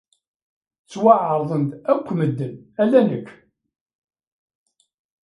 Ttwaɛerḍen-d akk medden, ala nekk.